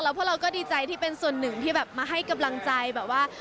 เพราะเราก็ดีใจที่เป็นส่วนหนึ่งที่แบบมาให้กำลังใจแบบว่า